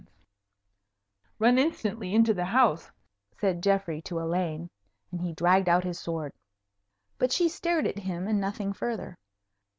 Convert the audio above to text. "Run instantly into the house," said Geoffrey to Elaine, and he dragged out his sword. But she stared at him, and nothing further.